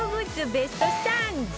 ベスト３０